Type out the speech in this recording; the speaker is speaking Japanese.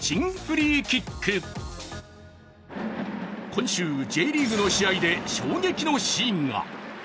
今週、Ｊリーグの試合で衝撃のシーンが。